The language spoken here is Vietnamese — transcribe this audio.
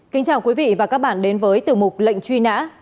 kính chào quý vị và các bạn đến với tiểu mục lệnh truy nã